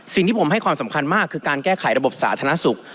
สิ่งที่ผมให้ความสำคัญมากคือการแก้ไขระบบสาธารณสุข